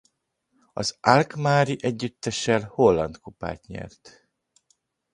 Az alkmaari együttessel holland kupát nyert.